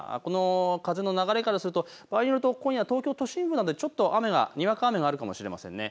風の流れからすると場合によると東京都心部などに今夜にわか雨があるかもしれませんね。